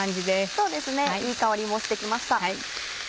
そうですねいい香りもして来ました。